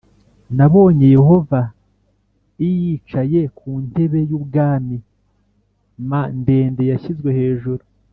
nabonye Yehova l yicaye ku ntebe y ubwami m ndende yashyizwe hejuru